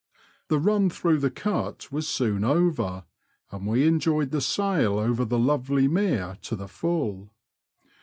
The run through the Cut was soon over, and we eujoyed the sail over the lovely Mere to the full.